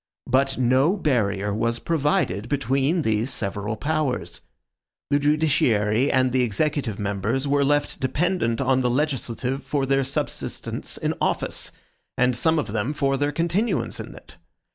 BUT NO BARRIER WAS PROVIDED BETWEEN THESE SEVERAL POWERS. The judiciary and the executive members were left dependent on the legislative for their subsistence in office, and some of them for their continuance in it.